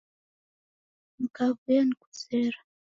Nikawuya nikuzera